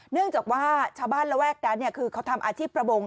เนื่องจากว่าชาวบ้านระแวกนั้นคือเขาทำอาชีพประมง